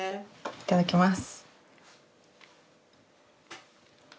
いただきます。